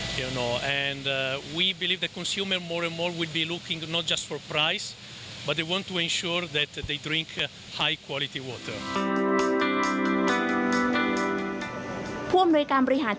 พ่อมุยการบริหารธุรกิจน้ำดื่ม